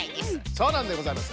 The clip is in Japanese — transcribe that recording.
そうなんでございます。